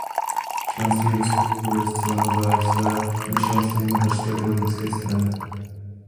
Členství ve spolku je zcela nezávislé na členství v mateřské politické straně.